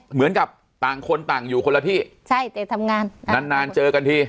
เหมือนกับต่างคนต่างอยู่คนละที่ใช่แต่ทำงานนานนานเจอกันที